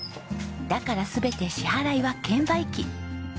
だから全て支払いは券売機。